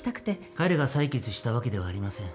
彼が裁決した訳ではありません。